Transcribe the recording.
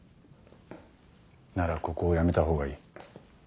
ならここを辞めた方がいい。